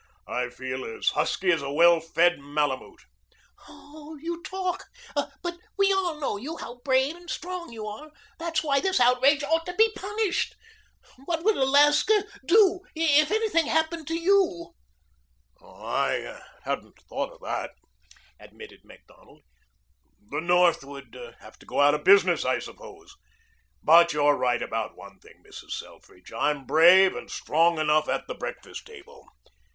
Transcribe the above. "I feel as husky as a well fed malamute." "Oh, you talk. But we all know you how brave and strong you are. That's why this outrage ought to be punished. What would Alaska do if anything happened to you?" "I hadn't thought of that," admitted Macdonald. "The North would have to go out of business, I suppose. But you're right about one thing, Mrs. Selfridge. I'm brave and strong enough at the breakfast table.